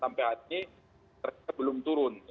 sampai hati belum turun